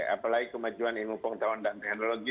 apalagi kemajuan ilmu pengetahuan dan teknologi